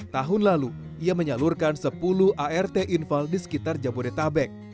tahun lalu ia menyalurkan sepuluh art infal di sekitar jabodetabek